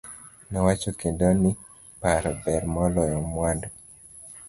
Nowacho kendo ni paro ber maloyo mwandu.